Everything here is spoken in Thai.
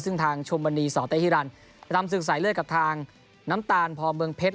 ซึ่งทางชมบรรณีสตธิรันดิ์ทำสื่อสายเลือดกับทางน้ำตาลพเบื้องเพชร